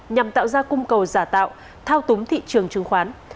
nhằm tạo ra cung cầu giả tạo thao túng thị trường chứng khoán